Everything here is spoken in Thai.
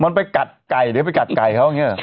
มันไปกัดไก่หรือไปกัดไก่เขาอย่างนี้หรอ